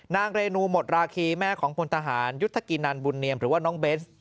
เรนูหมดราคีแม่ของพลทหารยุทธกินันบุญเนียมหรือว่าน้องเบนส์